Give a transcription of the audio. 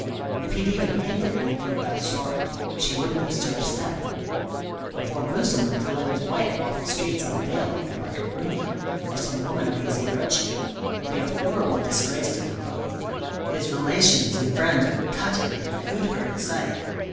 If he'd even hinted anything of that sort she wouldn't have stirred a step. But for a Mussulman to let his wife walk the streets unveiled, like a Roumia, or some woman of easy virtue, would be a horrible disgrace to them both. His relations and friends would cut him, and hoot her at sight.